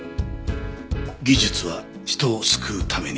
「技術は人を救うためにある」。